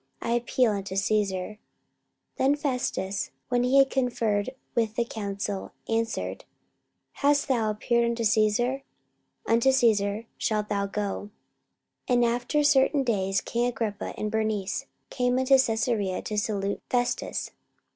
I appeal unto Caesar. 44:025:012 Then Festus, when he had conferred with the council, answered, Hast thou appealed unto Caesar? unto Caesar shalt thou go. 44:025:013 And after certain days king Agrippa and Bernice came unto Caesarea to salute Festus.